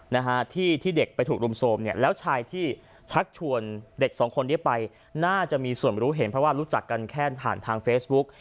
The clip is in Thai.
นะฮะที่ที่เด็กไปถูกรุมโทรมเนี่ยแล้วชายที่ชักชวนเด็กสองคนนี้ไปน่าจะมีส่วนรู้เห็นเพราะว่ารู้จักกันแค่ผ่านทางเฟซบุ๊ก